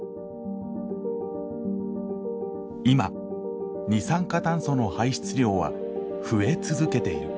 今二酸化炭素の排出量は増え続けている。